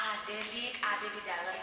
ada dik ada di dalam